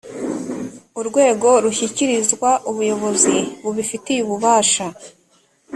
urwego rushyikirizwa ubuyobozi bubifitiye ububasha